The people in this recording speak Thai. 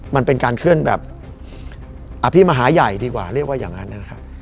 มันเป็นการเคลื่อนแบบอภิมหาใหญ่ดีกว่าเรียกว่าอย่างนั้นนะครับ